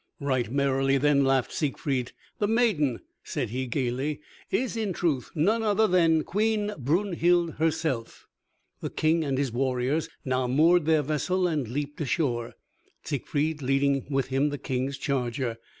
Right merrily then laughed Siegfried. "The maiden," said he gaily, "is in truth none other than Queen Brunhild herself." The King and his warriors now moored their vessel and leaped ashore, Siegfried leading with him the King's charger.